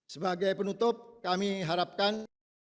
sebagai penutup kami harapkan